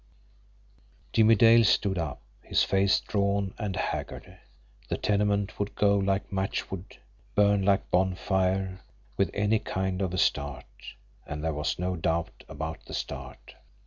Jimmie Dale stood up, his face drawn and haggard. The tenement would go like matchwood, burn like a bonfire, with any kind of a start and there was no doubt about the start!